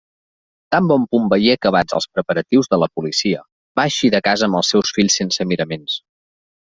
Tan bon punt veié acabats els preparatius de la policia, va eixir de casa amb els seus fills sense miraments.